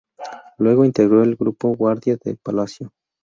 Luego integró el Grupo Guardia de Palacio.